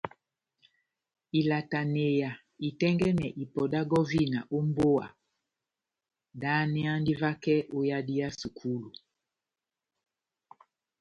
Ilataneya itɛ́ngɛ́nɛ ipɔ dá gɔvina ó mbówa dáháneyandi vakɛ ó yadi yá sukulu.